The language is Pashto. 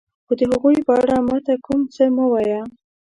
خو د هغوی په اړه ما ته کوم څه مه وایه.